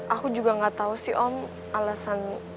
aku juga gak tau sih om alasan pastinya kayak gimana